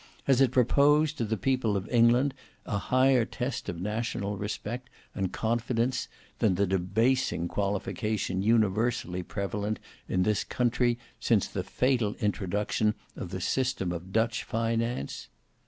Has it proposed to the people of England a higher test of national respect and confidence than the debasing qualification universally prevalent in this country since the fatal introduction of the system of Dutch finance?